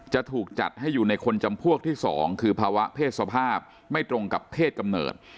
จะถูกจัดให้อยู่ในคนจำพวกที่๒คือภาวะเพศสภาพไม่ตรงกับเพศกำเนิด